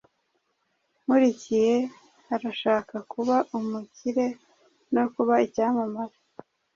Nkurikiye arashaka kuba umukire no kuba icyamamare.